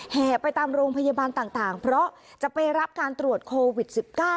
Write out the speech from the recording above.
แห่ไปตามโรงพยาบาลต่างเพราะจะไปรับการตรวจโควิด๑๙